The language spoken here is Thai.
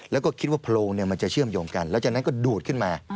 แล้วก็คิดว่าโพรงมันจะเชื่อมโยงกันแล้วจากนั้นก็ดูดขึ้นมา